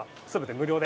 無料で？